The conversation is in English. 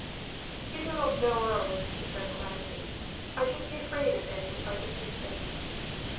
"You do not know Earle," she said, quietly. "I should be afraid of him if I deceived him."